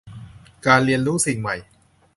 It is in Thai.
การเรียนรู้สิ่งใหม่